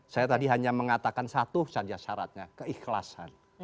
saya tadi hanya mengatakan satu saja syaratnya keikhlasan